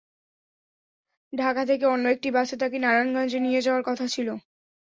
ঢাকা থেকে অন্য একটি বাসে তাঁকে নারায়ণগঞ্জে নিয়ে যাওয়ার কথা ছিল।